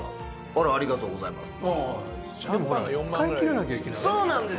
ありがとうございます。